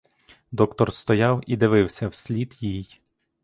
Доктор стояв і дивився вслід їй.